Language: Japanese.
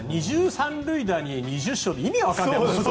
２０三塁打に２０勝って意味が分からない。